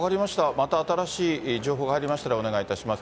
また新しい情報が入りましたら、お願いいたします。